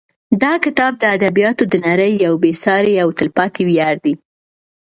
دا کتاب د ادبیاتو د نړۍ یو بې سارې او تلپاتې ویاړ دی.